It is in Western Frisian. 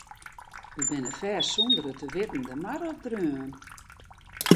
We binne fêst sûnder it te witten de mar opdreaun.